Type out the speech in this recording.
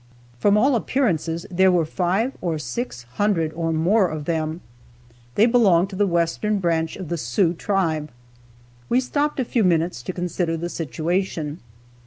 From all appearances there were five or six hundred or more of them. They belonged to the western branch of the Sioux tribe. We stopped a few minutes to consider the situation.